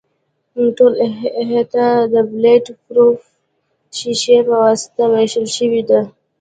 ټوله احاطه د بلټ پروف شیشې په واسطه وېشل شوې ده.